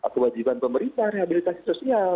kewajiban pemerintah rehabilitasi sosial